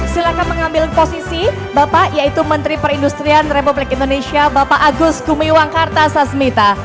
silahkan mengambil posisi bapak yaitu menteri perindustrian republik indonesia bapak agus gumiwang kartasasmita